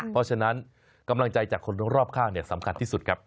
เพราะฉะนั้นกำลังใจจากคนรอบข้างสำคัญที่สุดครับ